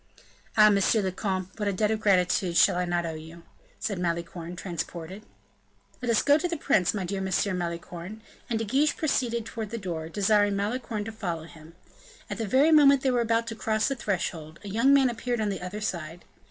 "Ah! monsieur le comte, what a debt of gratitude shall I not owe you?" said Malicorne, transported. "Let us go to the prince, my dear M. Malicorne." And De Guiche proceeded toward the door, desiring Malicorne to follow him. At the very moment they were about to cross the threshold, a young man appeared on the other side.